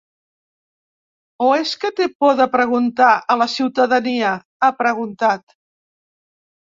O és que té por de preguntar a la ciutadania?, ha preguntat.